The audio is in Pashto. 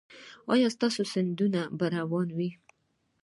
ایا ستاسو سیندونه به روان وي؟